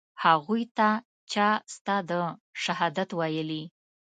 هغوى ته چا ستا د شهادت ويلي.